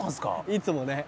「いつもね」